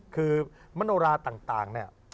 คือมโนราต่างเนี่ย